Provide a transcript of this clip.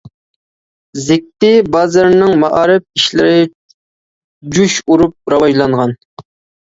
زېكتى بازىرىنىڭ مائارىپ ئىشلىرى جۇش ئۇرۇپ راۋاجلانغان.